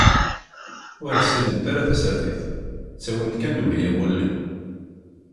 Ur ssinent ara tasertit, ttawin-t kan lewhi am wulli.